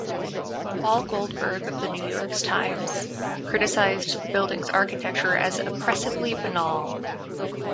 Paul Goldberger of the "New York Times" criticized the building's architecture as "oppressively banal".